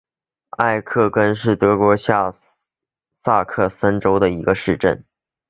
艾克林根是德国下萨克森州的一个市镇。